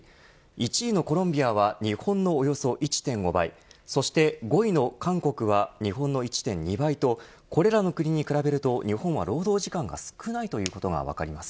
１位のコロンビアは日本のおよそ１．５倍そして、５位の韓国は日本の１．２倍とこれらの国に比べると日本は労働時間が少ないということが分かります。